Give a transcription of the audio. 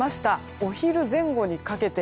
お昼前後にかけて。